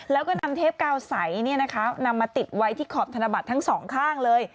แล้วก็นำเทปกาวใสนำมาติดไว้ที่ขอบธนบัตรทั้งสองข้างเลย